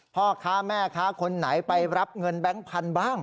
พ่อค้าแม่ค้าคนไหนไปรับเงินแบงค์พันธุ์บ้าง